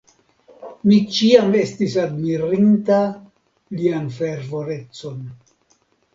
Mi ĉiam estis admirinta lian fervorecon.